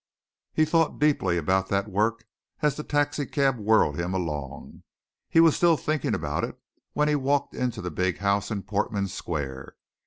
He thought deeply about that work as the taxi cab whirled him along; he was still thinking about it when he walked into the big house in Portman Square.